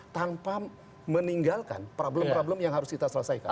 tanpa meninggalkan problem problem yang harus kita selesaikan